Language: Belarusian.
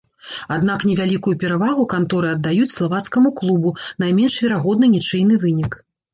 Аднак невялікую перавагу канторы аддаюць славацкаму клубу, найменш верагодны нічыйны вынік.